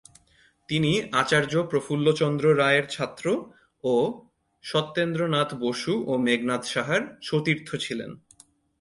তিনি আচার্য প্রফুল্লচন্দ্র রায়ের ছাত্র ও সত্যেন্দ্রনাথ বসু ও মেঘনাদ সাহার সতীর্থ ছিলেন।